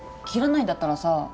切らないんだったらさ